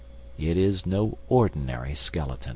It is no ordinary skeleton.